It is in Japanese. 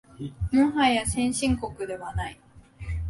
もはや先進国ではない